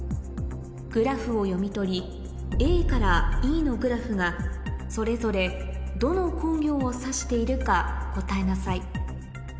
グラフを読み取りＡからＥのグラフがそれぞれどの工業を指しているか答えなさい